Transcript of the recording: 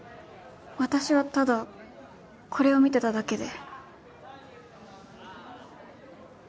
私はただこれを見てただけで